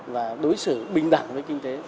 và đối xử bình đẳng với kinh tế